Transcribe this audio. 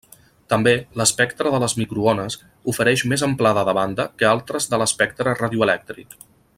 També, l'espectre de les microones, ofereix més amplada de banda que altres de l'espectre radioelèctric.